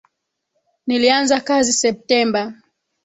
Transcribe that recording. Nilianza kazi Septemba